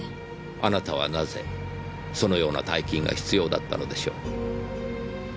あなたはなぜそのような大金が必要だったのでしょう？